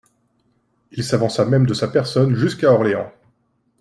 Il s'avança même de sa personne jusqu'à Orléans.